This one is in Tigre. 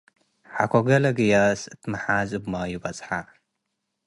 ሐቆ ገሌ ግያስ እት መሓዝ እብ ማዩ በጽሐ።